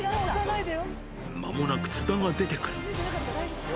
まもなく津田が出てくる。